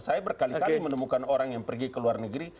saya berkali kali menemukan orang yang pergi ke luar negeri